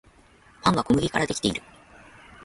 パンは小麦からできている